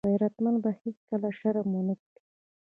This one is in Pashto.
غیرتمند به هېڅکله شرم ونه کړي